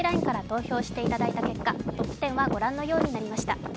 ＬＩＮＥから投票していただいた結果、トップ１０は御覧のようになりました。